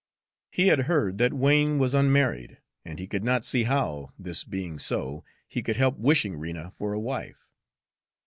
He had heard that Wain was unmarried, and he could not see how, this being so, he could help wishing Rena for a wife.